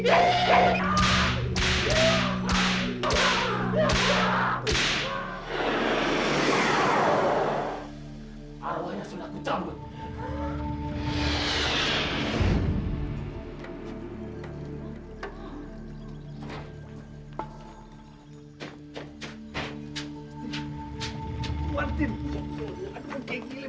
aduh ya allah kucamu